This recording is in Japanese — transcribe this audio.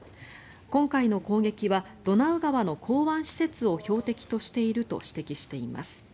今回の攻撃はドナウ川の港湾施設を標的としていると指摘しています。